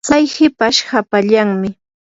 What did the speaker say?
tsay hipash hapallanmi.